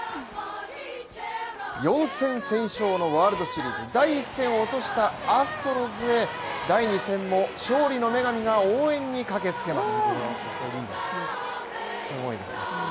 ４戦先勝のワールドシリーズ第１戦を落としたアストロズ、第２戦も勝利の女神が応援に駆けつけます。